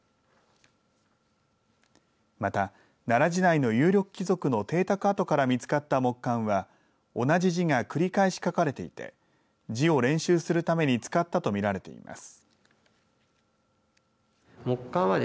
また、奈良時代の有力貴族の邸宅跡から見つかった木簡は同じ字が繰り返し書かれていて字を練習するために使ったと見られています。